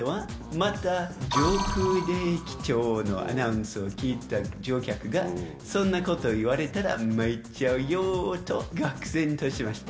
また上空で機長のアナウンスを聞いた乗客が「そんなこと言われたら参っちゃうよ」とがくぜんとしました。